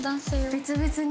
別々に。